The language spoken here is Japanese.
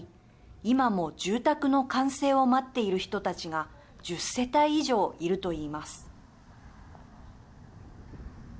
今も住宅の完成を待っている人たちが１０世帯以上いると言います。